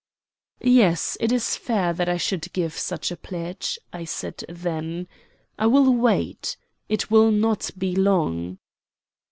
"Yes, it is fair that I should give such a pledge," I said then. "I will wait. It will not be long."